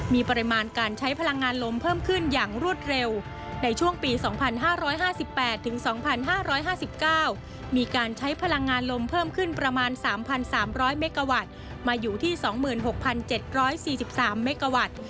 มีปริมาณการใช้พลังงานลมเพิ่มขึ้นอย่างรวดเร็วในช่วงปี๒๕๕๘๒๕๕๙มีการใช้พลังงานลมเพิ่มขึ้นประมาณ๓๓๐๐เมกาวัตต์มาอยู่ที่๒๖๗๔๓เมกาวัตต์